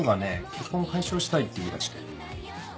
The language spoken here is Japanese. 結婚を解消したいって言い出して。